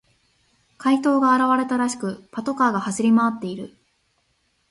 怪盗が現れたらしく、パトカーが走り回っている。